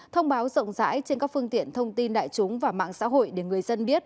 thông báo rộng rãi trên các phương tiện thông tin đại chúng và mạng xã hội để người dân biết